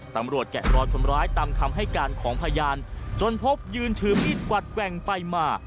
แกะรอยคนร้ายตามคำให้การของพยานจนพบยืนถือมีดกวัดแกว่งไปมา